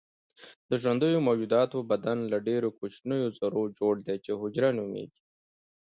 د ژوندیو موجوداتو بدن له ډیرو کوچنیو ذرو جوړ دی چې حجره نومیږي